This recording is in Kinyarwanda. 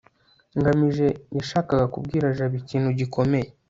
ngamije yashakaga kubwira jabo ikintu gikomeye